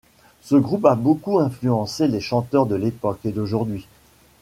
Ce groupe a beaucoup influencé les chanteurs de l'époque et d'aujourd'hui.